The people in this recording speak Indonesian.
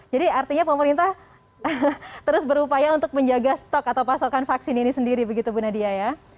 jadi artinya pemerintah terus berupaya untuk menjaga stok atau pasokan vaksin ini sendiri begitu bu nadia ya